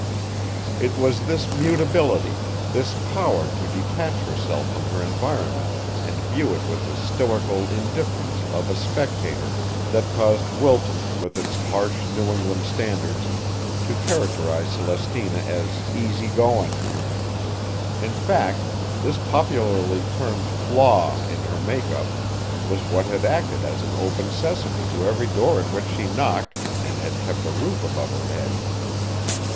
It was this mutability, this power to detach herself from her environment and view it with the stoical indifference of a spectator that caused Wilton with its harsh New England standards, to characterize Celestina as "easy goin'." In fact, this popularly termed "flaw" in her make up was what had acted as an open sesame to every door at which she knocked and had kept a roof above her head.